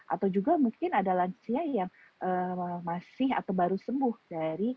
atau juga mungkin ada lansia yang masih atau baru sembuh dari covid sembilan belas